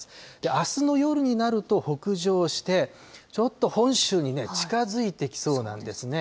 あすの夜になると北上して、ちょっと本州に近づいてきそうなんですね。